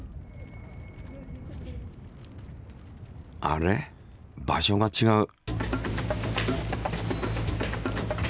あれ場所がちがう！